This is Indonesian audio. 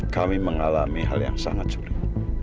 kami mengalami hal yang sangat sulit